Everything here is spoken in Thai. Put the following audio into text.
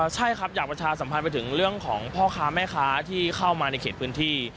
ใช่ครับอยากประชาสัมพันธ์ไปถึงเรื่องของพ่อค้าแม่ค้าที่เข้ามาในเขตพื้นที่